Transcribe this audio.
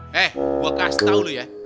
he gua kasih tau dulu ya